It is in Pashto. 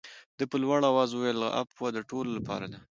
ده په لوړ آواز وویل عفوه د ټولو لپاره ده.